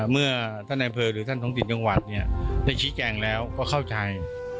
เมื่อท่านไอนเฟิร์ดหรือท่านท้องจิตจังหวัดจะขี้แจ่งแล้วก็เข้าใจ